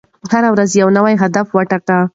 هره ورځ یو نوی هدف وټاکئ.